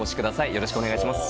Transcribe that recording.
よろしくお願いします。